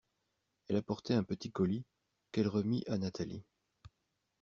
Elle apportait un petit colis, qu’elle remit à Nathalie.